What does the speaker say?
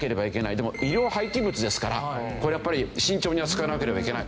でも医療廃棄物ですからこれやっぱり慎重に扱わなければいけない。